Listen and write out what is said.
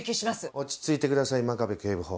落ち着いてください真壁警部補。